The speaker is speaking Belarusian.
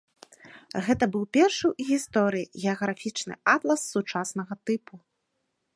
Гэта быў першы ў гісторыі геаграфічны атлас сучаснага тыпу.